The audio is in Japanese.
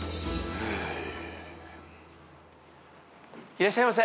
いらっしゃいませ。